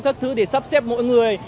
các thứ để sắp xếp mỗi người